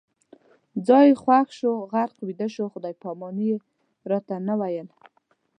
ځای یې خوښ شو، غرق ویده شو، خدای پامان یې راته نه ویل